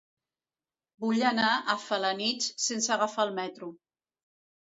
Vull anar a Felanitx sense agafar el metro.